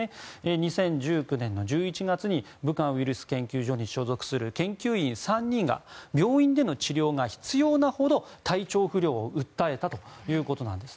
２０１９年１１月に武漢ウイルス研究所に所属する研究員３人が病院での治療が必要なほど体調不良を訴えたということです。